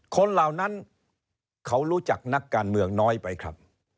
เหล่านั้นเขารู้จักนักการเมืองน้อยไปครับ